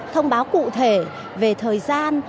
thông báo cụ thể về thời gian